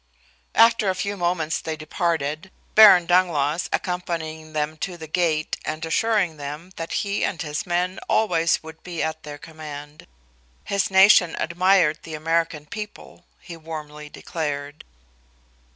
After a few moments they departed, Baron Dangloss accompanying them to the gate and assuring them that he and his men always would be at their command. His nation admired the American people, he warmly declared.